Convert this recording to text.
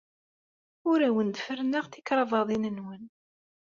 Ur awent-d-ferrneɣ tikrabaḍin-nwen.